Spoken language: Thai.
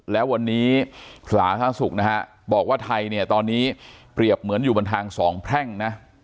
แล้ววันนี้สาธารณสุขนะฮะบอกว่าไทยเนี่ยตอนนี้เปรียบเหมือนอยู่บนทางสองแพร่งนะ